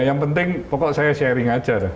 yang penting pokok saya sharing aja